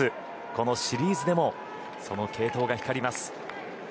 このシリーズでもその継投が光ります。